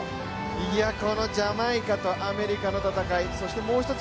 このジャマイカとアメリカの戦い、そしてもう一つ